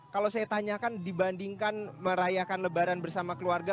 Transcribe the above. kalau saya tanyakan dibandingkan merayakan lebaran bersama keluarga